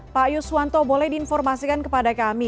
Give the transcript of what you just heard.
pak yuswanto boleh diinformasikan kepada kami